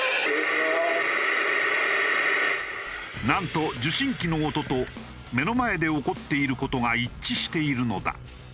なんと受信機の音と目の前で起こっている事が一致しているのだ。